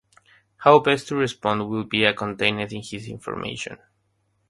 How best to respond will be contained in this information.